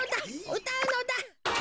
うたうのだ。